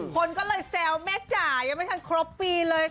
คนก็เลยแซวแม่จ๋ายังไม่ทันครบปีเลย